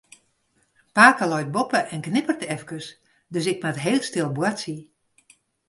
Pake leit boppe en knipperet efkes, dus ik moat hiel stil boartsje.